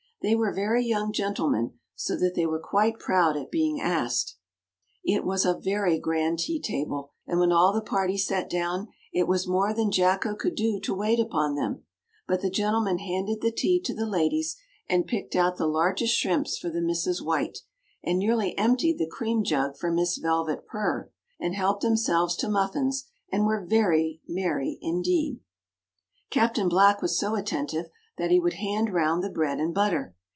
They were very young gentlemen, so that they were quite proud at being asked. It was a very grand tea table, and when all the party sat down it was more than Jacko could do to wait upon them, but the gentlemen handed the tea to the ladies, and picked out the largest shrimps for the Misses White, and nearly emptied the cream jug for Miss Velvet Purr, and helped themselves to muffins, and were very merry indeed. Captain Black was so attentive that he would hand round the bread and butter.